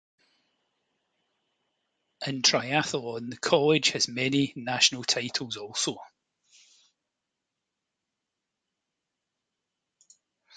In triathlon, the College has many national titles also.